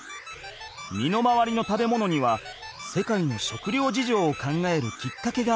身の回りの食べ物には世界の食料事情を考えるきっかけがある。